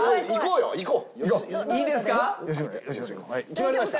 決まりました。